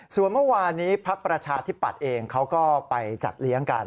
ส่วนเมื่อวานนี้พักประชาธิปัตย์เองเขาก็ไปจัดเลี้ยงกัน